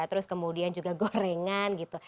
terus kemudian juga gorengan gitu